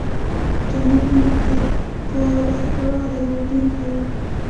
جامد محیط د پوډراګر درلودونکی وي.